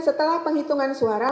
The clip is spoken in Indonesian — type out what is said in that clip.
setelah penghitungan suara